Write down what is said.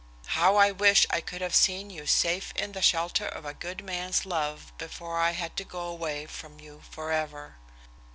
How I wish I could have seen you safe in the shelter of a good man's love before I had to go away from you forever!"